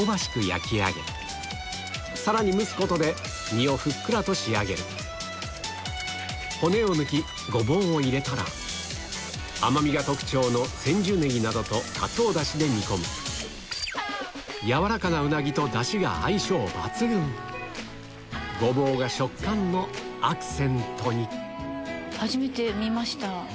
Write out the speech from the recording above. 焼き上げさらに蒸すことで身をふっくらと仕上げる骨を抜きゴボウを入れたら甘みが特徴の千寿ねぎなどとかつおダシで煮込む軟らかなウナギとダシが相性抜群ゴボウが食感のアクセントに初めて見ました。